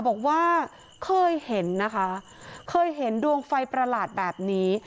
บอกว่าเคยเห็นนะคะเคยเห็นดวงไฟประหลาดแบบนี้